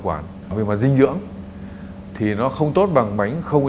quản vì mà dinh dưỡng thì nó không tốt bằng bánh không có